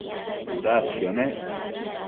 cudasquio nec